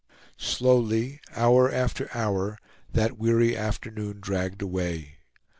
Slowly, hour after hour, that weary afternoon dragged away.